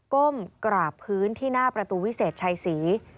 ก้มกราบพื้นที่หน้าประตูวิเศษชัยศรี